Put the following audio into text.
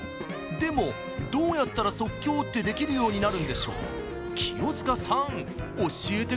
でもどうやったら即興ってできるようになるんでしょう？